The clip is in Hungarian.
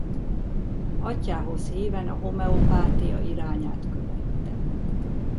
Atyjához híven a homeopátia irányát követte.